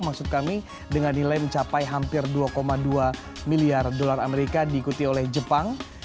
maksud kami dengan nilai mencapai hampir dua dua miliar dolar amerika diikuti oleh jepang